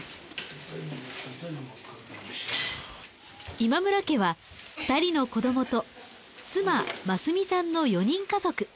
今村家は２人の子どもと妻益美さんの４人家族。